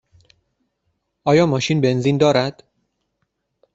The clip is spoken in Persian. آیا ماشین بنزین دارد؟